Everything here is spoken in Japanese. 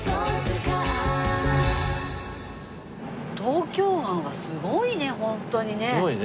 東京湾がすごいねホントにね。